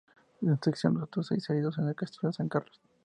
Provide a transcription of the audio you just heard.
En esta acción resultaron seis heridos en el castillo San Carlos.